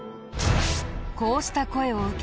こうした声を受け